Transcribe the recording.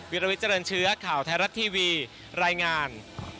วิทยาวิทยาลัยเชื้อข่าวไทยรัฐทีวีรายงาน